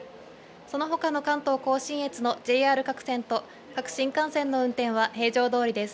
そのほかの関東甲信越のＪＲ各線と各新幹線の運転は平常どおりです。